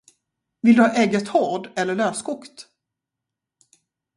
Vill du ha ägget hård- eller löskokt!